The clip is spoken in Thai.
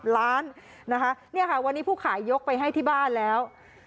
ล้านนะคะเนี่ยค่ะวันนี้ผู้ขายยกไปให้ที่บ้านแล้ว